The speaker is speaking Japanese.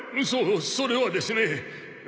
そそれはですね。